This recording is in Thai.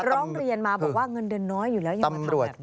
ร้องเรียนมาบอกว่าเงินเดือนน้อยอยู่แล้วยังมาทำแบบนี้